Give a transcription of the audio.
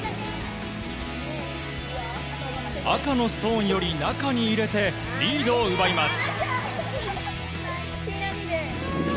赤のストーンより中に入れてリードを奪います。